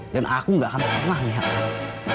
dan aku gak akan pernah lihat kamu